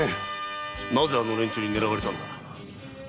なぜあの連中に狙われたんだ？